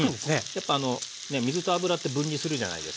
やっぱ水と油って分離するじゃないですか。